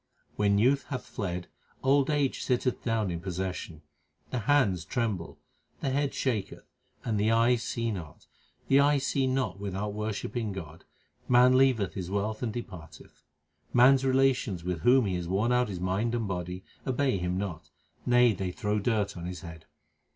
When youth hath fled, old age sitteth down in possession. The hands tremble, the head shaketh, and the eyes see not : The eyes see not without worshipping God ; man leaveth his wealth and depart eth. Man s relations with whom he hath worn out his mind and body, obey him not ; nay, they throw dirt on his head.